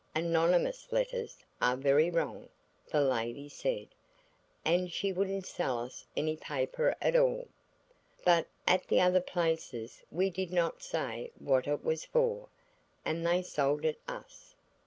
"Anonymous letters are very wrong," the lady said, and she wouldn't sell us any paper at all. But at the other places we did not say what it was for, and they sold it us.